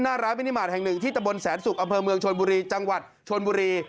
หน้าร้านมินิมาตรแห่งหนึ่งที่ตะบนแสนสุกอำเภอเมืองชนบุรีจังหวัดชนบุรี